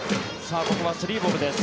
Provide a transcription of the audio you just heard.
ここは３ボールです。